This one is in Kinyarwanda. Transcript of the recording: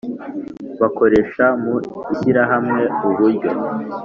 Bakoresha mu ishyirahamwe uburyo